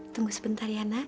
tunggu sebentar yana